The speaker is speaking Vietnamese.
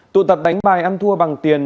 tụ tập đánh bài ăn thua bằng tiền